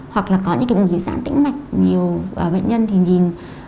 hoặc là có những mũi giãn tĩnh mạch nhiều bệnh nhân thì nhìn